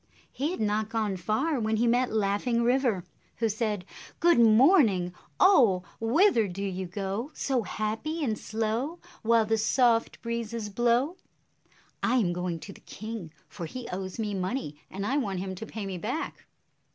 He had not gone far when he met Laughing River, who said, "Good morning, oh! Whither do you go, So happy and slow, While the soft breezes blow?" "I am going to the king, for he owes me money, and I want him to pay me back."